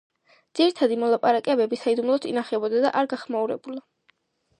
ძირითადი მოლაპარაკებები საიდუმლოდ ინახებოდა და არ გახმაურებულა.